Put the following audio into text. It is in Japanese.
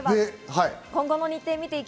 今後の日程です。